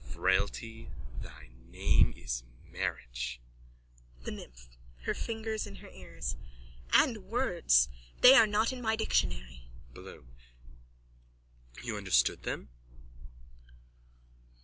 Frailty, thy name is marriage. THE NYMPH: (Her fingers in her ears.) And words. They are not in my dictionary. BLOOM: You understood them?